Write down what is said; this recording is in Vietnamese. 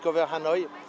tôi tìm ra hà nội